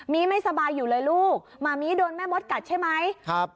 มีไม่สบายอยู่เลยลูกหมามี่โดนแม่มดกัดใช่ไหมครับ